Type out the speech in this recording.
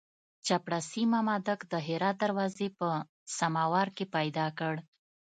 چپړاسي مامدک د هرات دروازې په سماوار کې پیدا کړ.